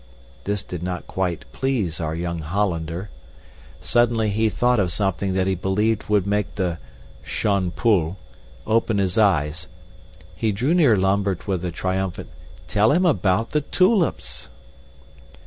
This did not quite please our young Hollander. Suddenly he thought of something that he believed would make the "Shon Pull" open his eyes; he drew near Lambert with a triumphant "Tell him about the tulips!"